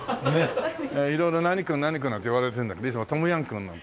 色々「何君何君」なんて言われてるんだけどいつも「トムヤムクン」なんて。